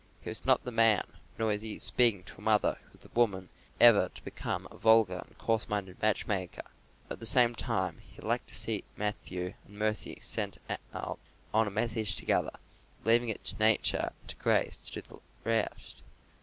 He was not the man, nor was he speaking to a mother who was the woman, ever to become a vulgar and coarse minded matchmaker; at the same time, he liked to see Matthew and Mercy sent out on a message together, leaving it to nature and to grace to do the rest.